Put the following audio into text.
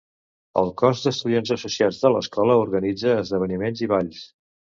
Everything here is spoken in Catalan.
El Cos d"estudiants associats de l"escola organitza esdeveniments i balls.